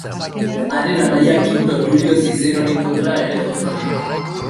Haren anaia Kinto Tulio Zizeronen kontra ere jo zuten.